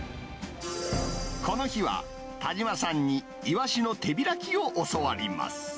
この日は、田島さんにイワシの手開きを教わります。